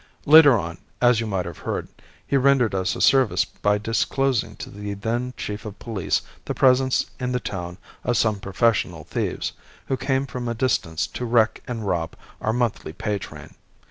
Later on, as you might have heard, he rendered us a service by disclosing to the then chief of police the presence in the town of some professional thieves, who came from a distance to wreck and rob our monthly pay train.